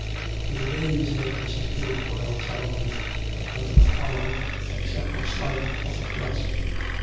" Here it is," said Mrs. Kilfoyle solemnly ; but nothing followed except a slight puff of dust.